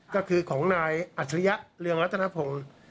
ก็คือของนายอัชริยะเรืองรัฐนะครับผม